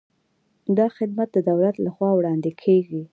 دا خدمات د دولت له خوا وړاندې کیږي.